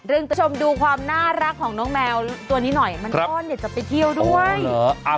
คุณผู้ชมดูความน่ารักของน้องแมวตัวนี้หน่อยมันอ้อนอยากจะไปเที่ยวด้วย